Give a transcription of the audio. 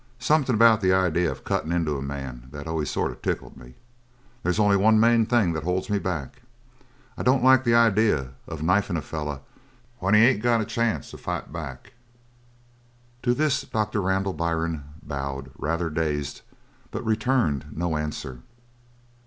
Something about the idea of cuttin' into a man that always sort of tickled me. They's only one main thing that holds me back I don't like the idea of knifin' a feller when he ain't got a chance to fight back! That's me!" To this Doctor Randall Byrne bowed, rather dazed, but returned no answer.